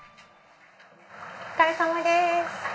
お疲れさまです。